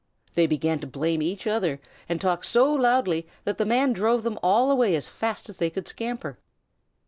They began to blame each other and talk so loudly that the man drove them all away as fast as they could scamper.